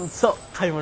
買い物。